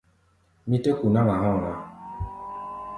Mí tɛ́ ku̧ náŋ-a hɔ̧́ɔ̧ ná.